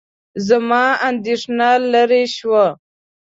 زما اندېښنه لیرې شوه.